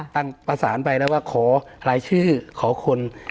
ประสานไปแล้วว่าขอรายชื่อขอคน